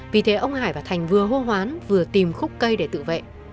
vì thế ông hải và thành vừa hô hoán vừa tìm khúc cây để tự vệ